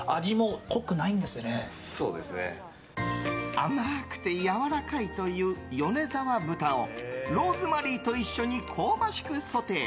甘くてやわらかいという米沢豚をローズマリーと一緒に香ばしくソテー。